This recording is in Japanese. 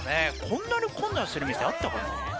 こんなに混雑する店あったかな